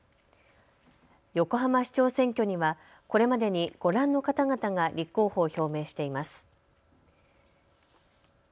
横浜市長選挙には、これまでにご覧の方々が立候補を表明しています。